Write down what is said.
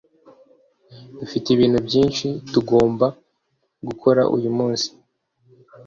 Dufite ibintu byinshi tugomba gukora uyu munsi.